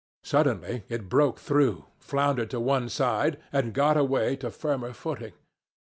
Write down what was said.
Suddenly it broke through, floundered to one side, and got away to firmer footing.